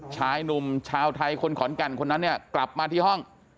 ชายหนุ่มชาวไทยคนขอนแก่นคนนั้นเนี่ยกลับมาที่ห้อง